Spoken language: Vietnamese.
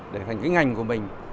để trở thành cái ngành của mình